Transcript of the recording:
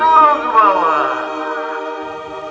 turun ke bawah